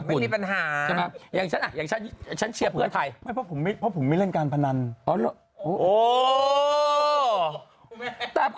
คุณอาจจะเชียร์อนาคตใหม่